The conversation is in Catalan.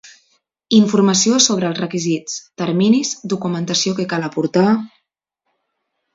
Informació sobre els requisits, terminis, documentació que cal aportar...